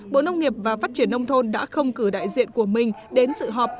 bộ nông nghiệp và phát triển nông thôn đã không cử đại diện của mình đến sự họp